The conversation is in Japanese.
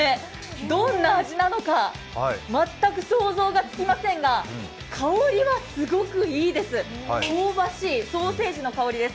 どんな味なのか全く想像がつきませんが香りはすごくいいです、香ばしい、ソーセージの香りです。